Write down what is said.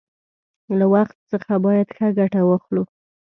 له وخت څخه باید ښه گټه واخلو.